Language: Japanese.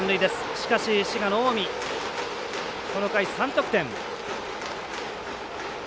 しかし、滋賀の近江この回３得点。